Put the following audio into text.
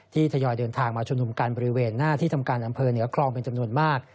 ทยอยเดินทางมาชุมนุมกันบริเวณหน้าที่ทำการอำเภอเหนือคลองเป็นจำนวนมาก